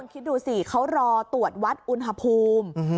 คิดดูสิเขารอตรวจวัดอุณหภูมิ